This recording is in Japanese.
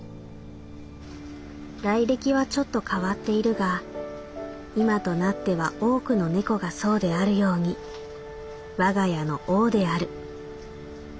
「来歴はちょっと変わっているが今となっては多くの猫がそうであるように我が家の王である。